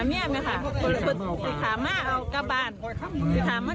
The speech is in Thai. ดิใจค่ะโหโหลงใจ